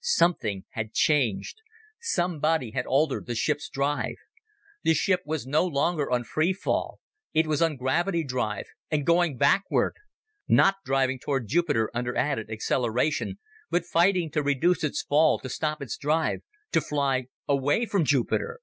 Something had changed. Somebody had altered the ship's drive. The ship was no longer on free fall; it was on gravity drive and going backward! Not driving toward Jupiter under added acceleration, but fighting to reduce its fall, to stop its drive, to fly away from Jupiter!